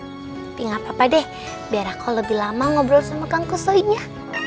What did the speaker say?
tapi gapapa deh biar aku lebih lama ngobrol sama kang kusoynya